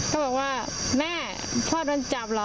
ก็บอกว่าแม่พ่อโดนจับเหรอ